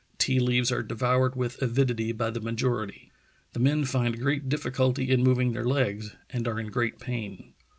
... Tea leaves are devoured with avidity by the majority. ... The men find great difficulty in moving their legs, and are in great pain.